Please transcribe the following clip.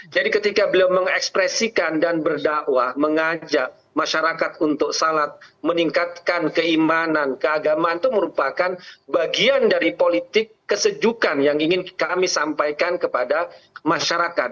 jadi ketika beliau mengekspresikan dan berdakwah mengajak masyarakat untuk salat meningkatkan keimanan keagamaan itu merupakan bagian dari politik kesejukan yang ingin kami sampaikan kepada masyarakat